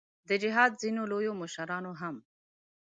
د جهاد ځینو لویو مشرانو هم.